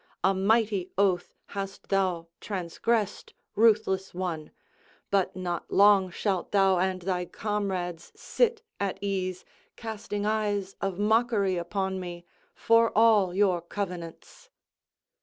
A mighty oath hast thou transgressed, ruthless one; but not long shalt thou and thy comrades sit at ease casting eyes of mockery upon me, for all your covenants."